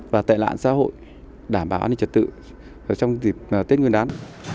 và tệ lạn xã hội đảm bảo an ninh trật tự trong dịp tết nguyên đán